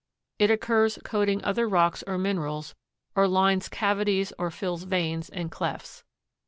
It occurs coating other rocks or minerals or lines cavities or fills veins and clefts.